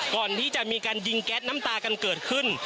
ก่อนที่จะมีการยิงแก๊สน้ำตากันเกิดขึ้น